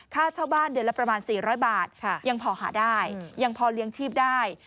ค่าเช่าบ้านเดือนละประมาณ๔๐๐บาทยังพอหาได้ยังพอเลี้ยงชีพได้